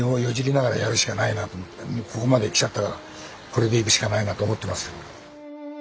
もうここまできちゃったからこれでいくしかないなと思ってますけど。